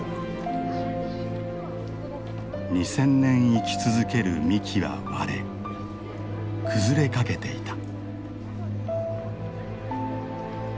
２，０００年生き続ける幹は割れ崩れかけていた。